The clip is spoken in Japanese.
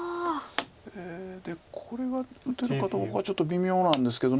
でこれが打てるかどうかちょっと微妙なんですけど。